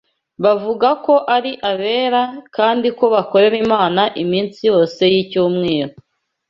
Bavuga ko ari abera, kandi ko bakorera Imana iminsi yose y’icyumweru